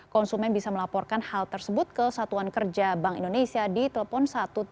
konsumen bisa melaporkan hal tersebut ke satuan kerja bank indonesia di telepon satu ratus tujuh puluh